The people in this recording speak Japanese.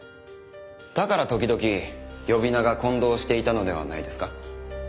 だから時々呼び名が混同していたのではないですか？